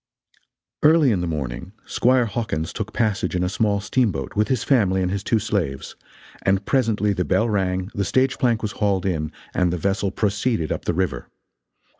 Early in the morning Squire Hawkins took passage in a small steamboat, with his family and his two slaves, and presently the bell rang, the stage plank was hauled in, and the vessel proceeded up the river.